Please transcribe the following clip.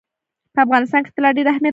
په افغانستان کې طلا ډېر اهمیت لري.